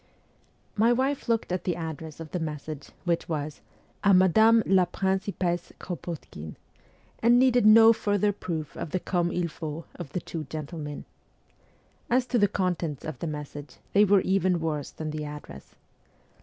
My wife looked at the address of the message, WESTERN EUROPE 297 which was :' A Madame la Principesse Kropotkine,' and needed no further proof of the comme il faut of the two gentlemen. As to the contents of the message, they were even worse than the address.